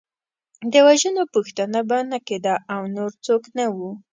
د وژنو پوښتنه به نه کېده او نور څوک نه وو.